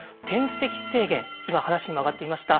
今話にも上がっていました